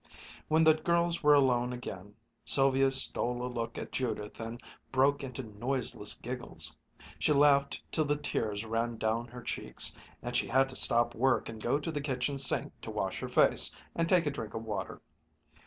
When the girls were alone again, Sylvia stole a look at Judith and broke into noiseless giggles. She laughed till the tears ran down her cheeks and she had to stop work and go to the kitchen sink to wash her face and take a drink of water.